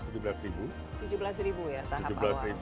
tujuh belas ribu ya tahap awal